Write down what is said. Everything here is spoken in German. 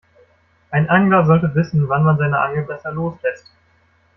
Ein Angler sollte wissen, wann man seine Angel besser loslässt.